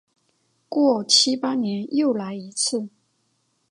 过七八年又来一次。